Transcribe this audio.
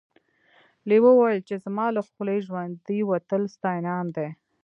لیوه وویل چې زما له خولې ژوندی وتل ستا انعام دی.